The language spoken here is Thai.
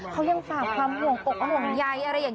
เขายังฝากความห่วงยัย